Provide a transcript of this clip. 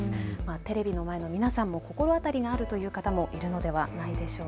テレビの前の皆さんも心当たりがあるという方もいるのではないでしょうか。